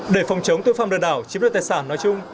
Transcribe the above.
để phòng chống tội phạm lừa đảo chiếm đoạt tài sản nói chung